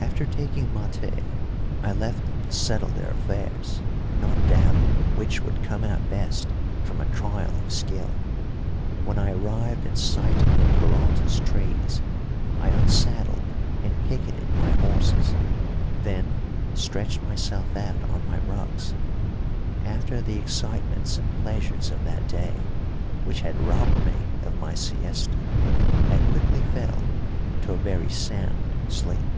After taking maté I left them to settle their affairs, not doubting which would come out best from a trial of skill. When I arrived in sight of Peralta's trees I unsaddled and picketed my horses, then stretched myself out on my rugs. After the excitements and pleasures of that day, which had robbed me of my siesta, I quickly fell into a very sound sleep.